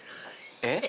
えっ？